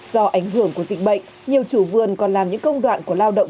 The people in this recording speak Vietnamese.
do ảnh hưởng của dịch bệnh nhiều chủ vườn còn làm những công đoạn của lao động